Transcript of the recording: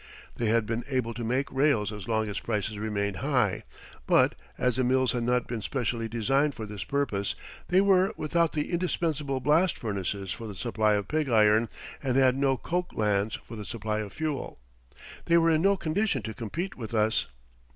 They had been able to make rails as long as prices remained high, but, as the mills had not been specially designed for this purpose, they were without the indispensable blast furnaces for the supply of pig iron, and had no coke lands for the supply of fuel. They were in no condition to compete with us.